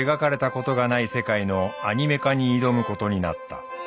世界のアニメ化に挑むことになった。